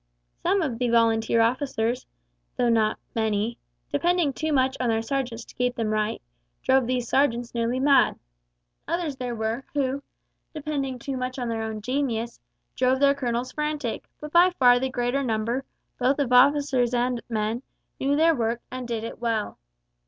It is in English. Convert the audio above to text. Some of the Volunteer officers (though not many), depending too much on their sergeants to keep them right, drove these sergeants nearly mad. Others there were, who, depending too much on their own genius, drove their colonels frantic; but by far the greater number, both of officers and men, knew their work and did it well.